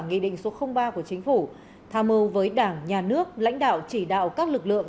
nghị định số ba của chính phủ tham mưu với đảng nhà nước lãnh đạo chỉ đạo các lực lượng